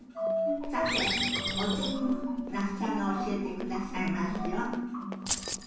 さてお次も那須さんが教えてくださいますよ。